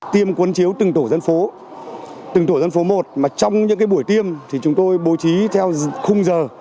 tiêm cuốn chiếu từng tổ dân phố từng tổ dân phố một mà trong những buổi tiêm thì chúng tôi bố trí theo khung giờ